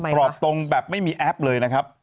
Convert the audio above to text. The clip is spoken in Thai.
รอบตรงแบบไม่มีแอปเลยนะครับ